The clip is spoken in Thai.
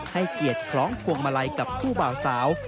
ให้เกียรติคล้องพวงมาลัยกับผู้บ่าวสาว